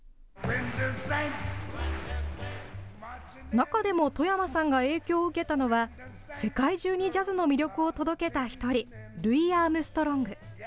中でも外山さんが影響を受けたのは世界中にジャズの魅力を届けた１人、ルイ・アームストロング。